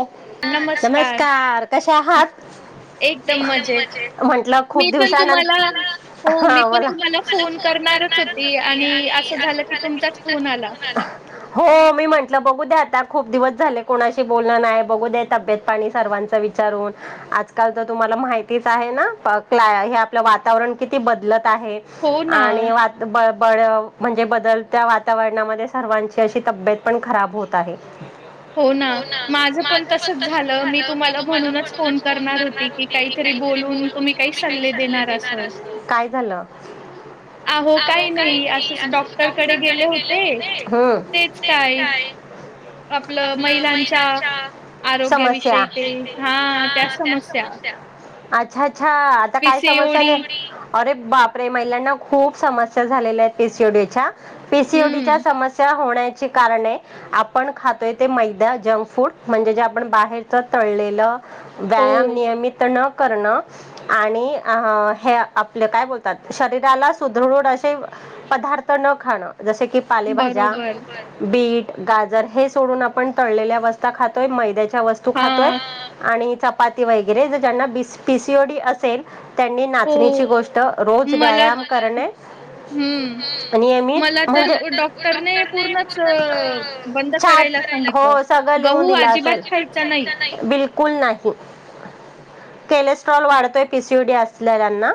हा, नमस्कार कशे आहात? एकदम मजेत, म्हंटल खूप मी पण तुम्हाला दिवसांनंतर [unintelligible] हा बोला [unintelligible] करणारचं होती आणि असं झालं की, तुमचाच फोन आला हो मी म्हटलं बघू खूप दिवस झाले कोणाशी- बोलण नाही बघू दे तब्येत पाणी सर्वांच विचारून आजकाल तर तुम्हाला माहितीच आहे ना? क्ला हे आपलं वातावरण किती बदलत आहे हो ना, आणि बळ म्हणजे बदलत्या वातावरणामध्ये सर्वांची अशी तब्येत पण खराब होत आहे. हो ना माझ पण तसच झालं मी तुम्हाला म्हणूनच फोन करणार होती की घरी बोलून तुम्ही काय शल्ले देणार असाल, काय झालं? अहो काय नाही, असंच डॉक्टर कडे गेले होते ह तेच काय. आपलं [unintelligible] महिलांच्या समस्या आरोग्याविषयी ते ते हां, त्या हा त्यांचं समस्या अच्छा-अच्छा त्या पीसीओडी अरे बापरे! महिलांना खूप समस्या झालेल्या आहेत पीसीओडी च्या. पीसीओडीच्या हं. समस्या होण्याची कारणे, आपण खातोय ते मैद्याचे जंक फूड म्हणजे, जे आपण बाहेरच तळलेलं हो, व्यायाम नियमित आणि करण आणि अ हे आपलं काय बोलतात शरीराला सुदृढ अशी पदार्थ न खाणं जसे की, पालेभाज्या बरोबर बीट, गाजर हे सोडून आपण तळलेल्या पास्ता खातोय, मैद्याच्या वस्तू खातोय हां, ह आणि चपाती वगैरे ज ज्यांना पिसीओडी असेल त्यांनी नाचणीची हो. गोष्ट रोज मला व्यायाम करणे. हं. मला नियमित म्हणजे मला तर डॉक्टरने पूर्णच अ, पूर्ण बंद चार्ट करायला सांगितलं लिहून गहू दिला अजिबात असेल खायचा नाही. बिलकुल नाही केलेस्ट्रॉल वाढतोय पीसीओडी असलेल्याना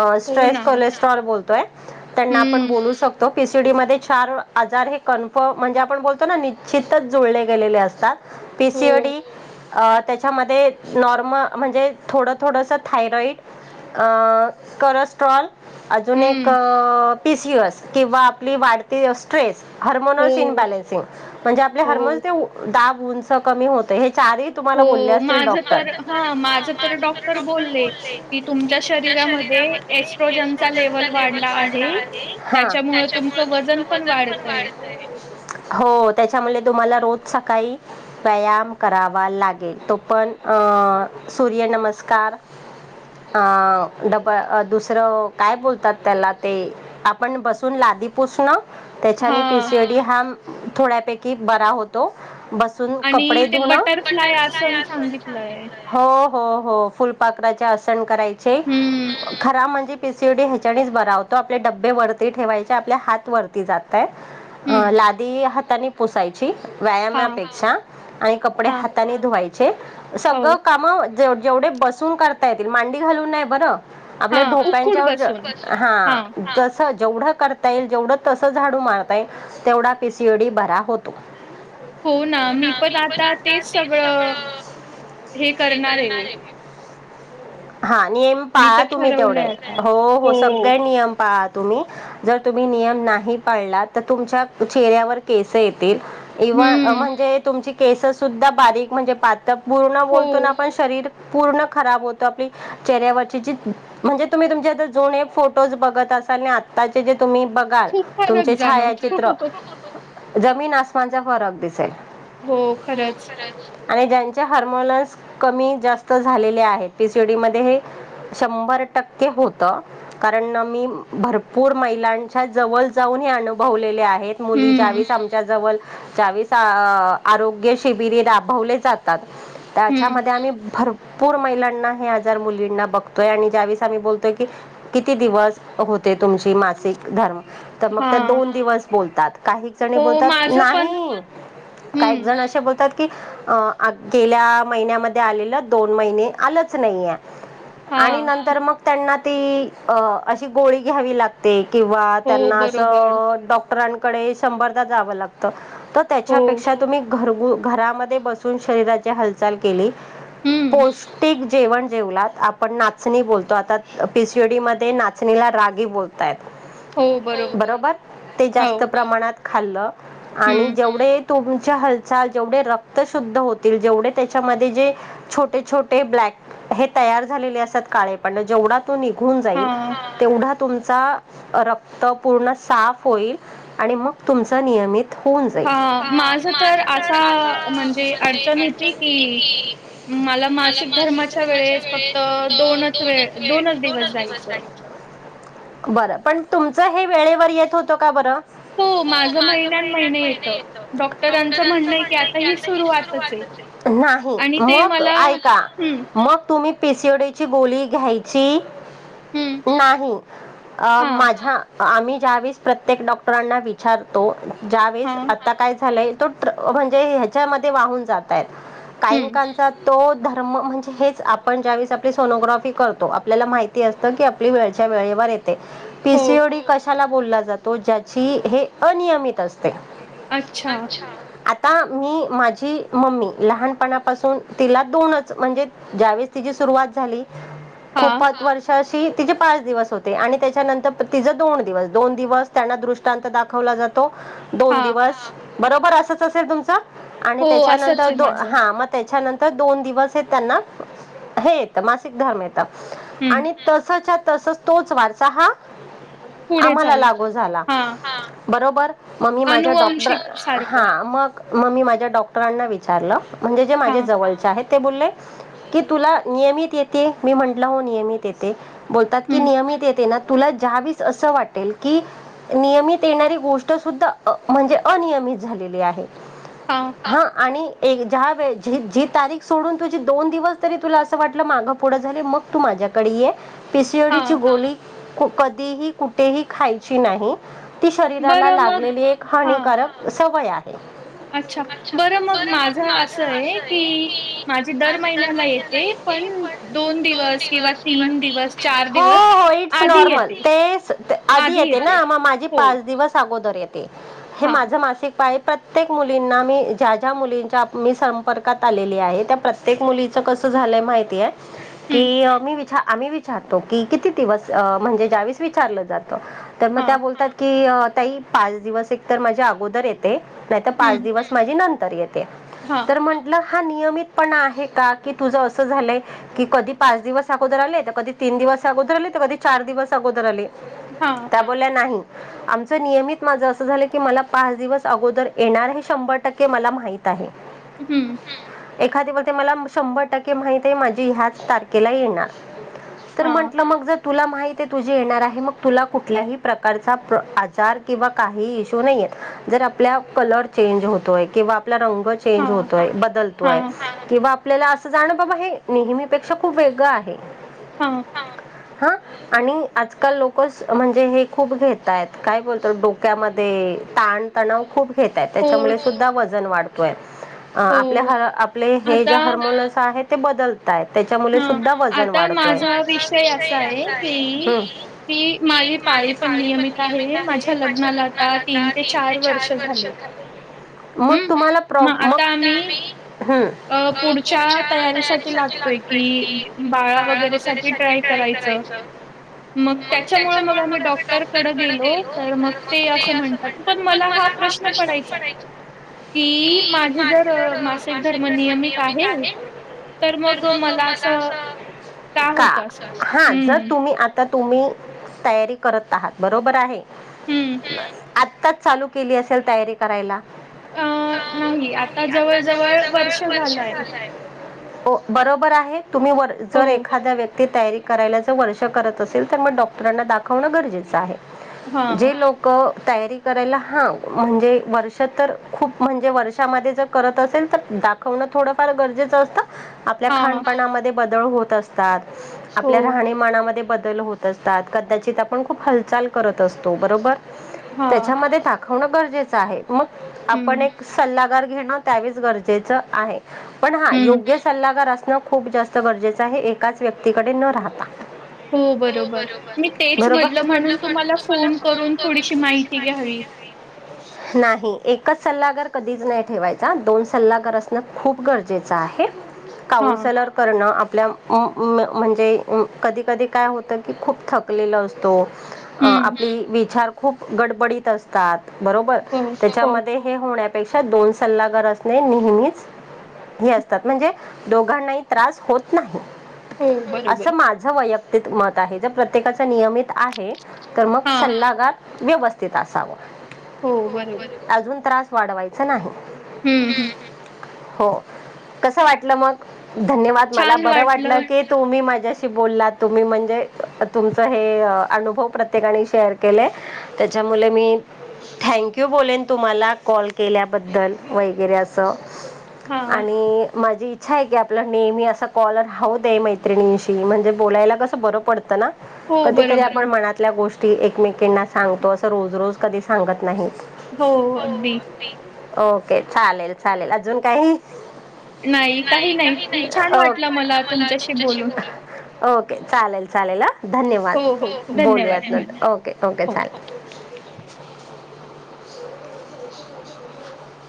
अ हो स्ट्रेस ना. कोलेस्ट्रॉल बोलतोय त्यांना आपण हं. बोलू शकतो. पीसीओडी मध्ये चार आजार हे कन्फर्म म्हणजे आपण बोलतो ना निश्चितच जुळले गेलेले असतात. हो. पीसीओडी अ त्याच्यामध्ये नॉर्मल म्हणजे थोडं थोडंस थायरॉइड अ करर्स्ट्रोल अजून एक हं. पीसीओएस किंवा आपली वाढती स्ट्रेस हो, हार्मोनल्स इन बेलेन्सिंग म्हणजे आपले हो, हार्मोन्स ते उ- दाब उंच कमी होत आहेत चारीही तुम्हांला बोलले हो. असतील माझं डॉक्टर मला तर हां, हा माझं तर डॉक्टर बोलले की की तुमच्या तुमच्यात शरीरामध्ये एक्स्ट्रा एस्ट्रोजनचा ज्यांच्या लेव्हल वाढला वाढल्या आहे. आहे त्याच्यामुळे तुमचं वजन पण वाढतंय, हो त्याच्यामुळे तुम्हांला रोज सकाळी व्यायाम करावा लागेल तो पण अ सूर्यनमस्का कार ह डबल दुसरं काय बोलतात त्याला ते आपण बसून ला लादी पुसणं त्याच्यांनी पी. हां. सी. ओ. डी. हा थोड्यापैकी बरा होतो बसून कपडे आणि ते धुण बटरफ्लाय आसन सांगितलंय. हो हो हो फुलपाखराचे आसन करायचे हं, खरा म्हणजे पीसीओडी ह्याच्यानेच बरा होतो आपले डबे वरती ठेवायचे आपल्या हात वरती जातय अ हं. लादी हातानी पुसायची. हां, व्यायामापेक्षा आणि कपडे हां. हातानी धुवायचे हो, सगळं कामं जेवढे बसून करता येतील मांडी घालून नाय बरं आपल्या हां, उखूड बसून. ढोप्यांच्यावर हा हां, जस जेवढं करता येईल, जेवढं तसं झाडू मारता येईल, तेवढा पीसीओडी बरा होतो. हो ना मी पण आता तेच सगळं हे करणार आहे. हा नियम मी पाळा तर तुम्ही तेवढे ठरवलंय आता. हो हो सगळे नियम पाळा. तुम्ही जर तुम्ही नियम नाही पाळला तर तुमच्या चेहऱ्यावर केसं येतील इवन हं, म्हणजे तुमची केसं सुद्धा बारीक म्हणजे पातळ पूर्ण हो, बोलतो ना आपण शरीर पूर्ण खराब होतं आपली चेहऱ्यावरची जी म्हणजे तुम्ही तुमच्या आता जुने फोटोज बघत असाल आणि आताचे जे तुम्ही बघाल खूप फरक तुमचे जाणवतो. छायाचित्र जमीन आसमानचा फरक दिसेल हो खरंच आणि ज्यांचे हॉरमोनन्स कमी जास्त झालेले आहेत पीसीओडी मध्ये हे शंभर टक्के होतं कारण मी भरपूर महिलांच्या जवळ जाऊन अनुभवलेले आहेत मुली हं, ज्यावेळीस आमच्या जवळ त्यावेळीस आरोग्य शिबिरी राबवले जातात. हं, त्याच्यामध्ये आम्ही भर पूर महिलांना हे आजार मुलींना बघतोय आणि ज्यावेळेस आम्ही बोलतोय की किती दिवस होत तुमची मासिक धर्म तर मग त्या हां, दोन दिवस बोलतात काही जणी हो, बोलतात माझं पण नाही काही हं, जण असे बोलतात कि गेल्या महिन्यामध्ये आलेलं दोन महिने आलंच नाहीये. आणि हां, नंतर मग त्यांना ती अ अशी गोळी घ्यावी लागते. किंवा हो, त्यांना बरोबर. असं डॉक्टरांकडे शंभरदा जावं लागतं. तर हो, त्याच्यापेक्षा तुम्ही घरगु घरामध्ये बसून शरीराची हालचाल केली. हं, पौष्टिक जेवण जेवलात आपण नाचणी बोलतो आता पीसीयूडी मध्ये नाचणीला रागी बोलताय बरोबर ते जास्त हो, प्रमाणात खाल्लं आणि हं, जेवढे तुमच्या हालचाल जेवढे रक्त शुद्ध होतील जेवढे त्याच्यामध्ये जे छोटे छोटे त झा का प जेवा त निघून हां, जाईलव तुमचा रक्त पूर्ण साफ होईल आणि मग तुमचा निय हून जाईल ह माझ तर असा म्हणजे अडचण होती की मला मासिक धर्माच्या वेळेस फक्त दोनच वेळ दोनच दिवस जायचे. बरं पण तुमचं हे वेळेवर येत होतं का बरं हो माझं महिन्य महिन्यात महिना येतो डॉक्टरांच म्हणणं म्हणंनं आहे की ही आता हि सुरुवातच आहे सुरवातच आहे. आणि ते मग मला ऐका हं, मग तुम्ही पिसवड्याची गोली घ्यायची हं, नाही अ हां, माझ्या आम्ही ज्यावेळेस प्रत्येक डॉक्टरांना विचारतो ज्यावेेळेस हां, आता काय झालंय तो म्हणजे ह्याच्यामध्ये वाहून जातय काही हं, कालचा तो धर्म म्हणजे हेच आपण ज्यावेेळेस आपली सोनोग्राफी करतो आपल्याला माहिती असतं की आपली वेळच्या वेळेवर येते हो, पिसिव्हडी कशाला बोलला जातो ज्याची हे अनियमित असते. अच्छा आता मी माझी मम्मी लहानपणापासून तिला दोनच म्हणजे ज्यावेस तिची सुरुवात झाली हां, खूपच वर्ष तिचेे पाच दिवस होते आणि त्याच्यानंतर तिचा दोन दिवस दोन दिवस त्यांना दृष्टांत दाखवला जातो दोन हां, दिवस बरोबर असंच असेल तुमचं आणि हो, असंच त्याच्यानंतर आहे द माझं. हा मग त्याच्यानंतर दोन दिवस त्यांना हे येतं मासिक धर्म येतं हं, आणि तस च्या तसं तसच तोच वारसा हा पुढे आम्हाला चालू. लागू झाला हां, बरोबर मग मी माझ्या डॉक्टर आनुवंशिक सारखं. हा मग मग मी माझ्या डॉक्टरांना विचारलं म्हणजे जे माझे हां, जवळच्या आहेत. ते बोलले की तुला नियमित येते मी म्हंटलं हो नियमित येते बोलतात की हं, नियमित येते ना तुला ज्यावीस असं वाटेल की नियमित येणारी गोष्ट त सुद्धा म्हणजे अनियमित झालेले आहे हां, हा आणि एक ज्या वेळची जी तारीख सोडून तुझी दोन दिवस तरी तुला असं वाटलं मागं पुढे झाले मग तू माझ ज कड ए पिसीएव्हडी ची हां, गोली कधीही कुठेही खायची नाही ती शरीराला बरं मग लागलेली एक हां. हानिकारक सवय आहे अच्छा बर मग माझ असं आहे की माझी दर महिन्याला येते. पन दोन दिवस किंवा तीन दिवस हो हो इट्स नॉर्मल तेच आधी येते ना मग माझी हो. पाच दिवस अगोदर येते हे हां. माझ मासिक पाळी प्रत्येक मुलींना मी ज्या ज्या मुलींच्या मी संपर्कात आलेली आहे त्या प्रत्येक मुलीच कस कस झालंय माहितीये की हं. मी आम्ही विचारतो की किती दिवस म्हणजे ज्या वेळेस विचारलं जात तर मग त्या हां. बोलतात की ताई पाच दिवस एक तर माझ्या अगोदर येते नाही तर पाच हं. दिवस माझी नंतर येते हां. तर म्हंटलं हा नियमित पण आहे का की तुझ अस झालय की कधी पाच दिवस अगोदर आले कधी तीन दिवस की तीन दिवस काय कधी चार दिवस अगोदर आले दिवस आले हां. त्या बोल्या नाही नियमित माझं असं झालं की मला पाच दिवस अगोदर येणार हे शंभर टक्के मला माहित आहे हम्म एखाद ब मला शंभर टक्के माहती आहे माझी ह्याच तारखेला येणार तर हां. म्हंटलं मग जर तुला माहिती आहे तुझी येणार आहे मग तुला कुठल्याही प्रकारचा जार किंवा काही इशू नाहीये जर आपल्या कलर चेज होतोय आपला रंग चेंज हां. होतोय बदलतोय हां. किंवा आपल्याला असं जाणं बाबा हे नेहमीपेक्षा खूप वेगळं आहे. हा. हा, आणि आजकाल लोक म्हणजे हे खूप घेतय काय बोलतो डोक्यामध्ये ताणतणाव खूप घेतय हो, त्याच्यामुळे सुद्धा वजन वाढतोय. अ आपल्या हो. ह आपले हे आता जे हर्मोनल्स आहे ते बदलत त्याच्यामुळे हां. सुद्धा वजन आता वाढतोय. माझा माजा विषय असा आहे की कि मी माझी पाळी पडली आहे म माझ्या लग्नाला आता तीन ते चार वर्ष झाले. मग तुम्हाला प्रॉब मग आता आम्ही हम अ पुढच्या तयारीसाठी लागतोय की बाळा वगैरे साठी ट्राय करायचं. ह. मग त्याच्यामुळे मग आम्ही डॉक्टरकडे गेलो. होतो. तर मग ते असं म्हणतात, पण मला हा प्रश्न पडायचा कि माझे जर मासे म नियमित आहे. तर मग मला असं. का? होतं असं? हा, जर हं, तुम्ही आता तुम्ही तयारी करत आहात बरोबर आहे. हं. हम्म आ आत्ताच चालू केली असेल तयारी करायला. अ. अ, नाही, आता जवळ जवळ वर्ष झालंय. बरोबर आहे तुम्ही वर जर हो. एखाद्या व्यक्ती ती तयारी करायला जर वर्ष करत असेल तर मग डॉक्टरांना दाखवणं गरजेचं आहे. हां, जे लोक तयारी करायला हा, म्हणजे वर्ष तर खूप म्हणजे वर्षामध्ये जर करत असेल तर दाखवणं थोडंफार गरजेचं असतं. आपल्या हां. खपणामध्ये बदल होत असतात, आपल्या हो. राहणीमानामध्ये बद होत असतात कदाचित आपण खूप हालचाल करत असतो बरोबर, हां. त्याच्यामध्ये ताकत दाखवण गरजेचं आहे. मग, आपण हं, एक सल्लागार घेणं त्यावेच गरजेचं आहे. पण हा, हं. योग्य सल्लागार असणं खूप जास्त गरजेचं आहे एकाच व्यक्तीकडे न राहता. हो बरोबर, मी तेच बरोबर. म्हटलं म्हणून तुम्हाला फोन करून थोडीशी माहिती घ्यावी. [inaudible] नाही एकच सल्लागार कधीच नाही ठेवायचा दोन सल्लागार असणं खूप गरजेचं आहे. हां. काउन्सेलर करणं आपल्या म म्हणजे कधी कधी काय होतं की खूप थकलेल असतो. अ हं. आपली विचार खूप गडबडीत असतात. बरोबर, हो, हो, त्याच्यामध्ये हे होण्यापेक्षा दोन सल्लागार असणे नेहमीच हे असतात, म्हणजे दोघांनाही त्रास होत नाही. हो, बरोबर. असं माझ वैयक्तिक मत आहे, ज प्रत्येकाच नियमित आहे. तर मग हां. सल्लागार व्यवस्थित असाव हो, बरोबर. अजून त्रास वाढवायचं नाही. हम्म हम्म. हो, कसं वाटलं मग? धन्यवाद! मला बरं वाटलं की तुम्ही माझ्या बोलला, तुम्ही म्हणजे तुमच अनुभव प्रत्येकांनी शेर केले, त्याच्यामुळे मी थॅन्क यू बोलेन तुम्हाला कॉल के ल्याबद्दल वगैरे असं हां. आणि माझी इच्छा आहे की आपला नेहमी असा कॉल राहूदे मैत्रिणींशी म्हणजे बोलायला कसं बरं पडतं. ना हो, कधीतरी बरोबर आपण आहे. मनात गोष्टी एकमेकांना सांगतो असं रोज रोज कधी सांगत नाही. हो, अगदी. ओके, चालेल चालेल अजून काही? नाही काही नाही वाटलं मला तुमच्याशी बोलून ओके चालेल चालेल ह हो, हो. धन्यवाद धन्यवाद, बोलूयात धन्यवाद. नंतर ओके ओके हो. चालेल [unintelligible]